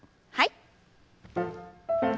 はい。